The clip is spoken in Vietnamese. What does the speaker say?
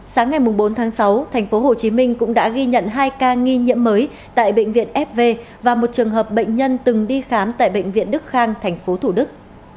sáng ngày bốn tháng sáu tp hcm cũng đã ghi nhận hai ca nghi nhiễm mới tại bệnh viện fv và một trường hợp bệnh nhân từng đi khám tại bệnh viện đức khang thành phố thủ đức